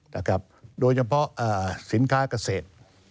นะครับโดยเฉพาะสินค้ากเศษ